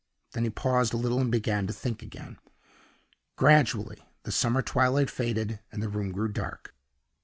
Then he paused a little, and began to think again. Gradually the summer twilight faded, and the room grew dark.